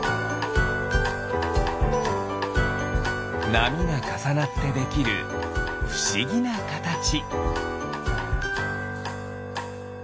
なみがかさなってできるふしぎなかたち。